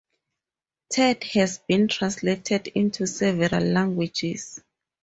Ted has been translated into several languages.